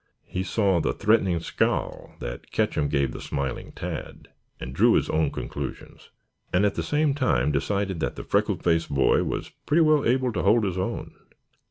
He saw the threatening scowl that Ketcham gave the smiling Tad, and drew his own conclusions, and at the same time decided that the freckle faced boy was pretty well able to hold his own.